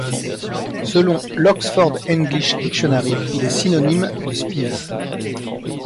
Selon l'Oxford English Dictionary, il est synonyme de spiv.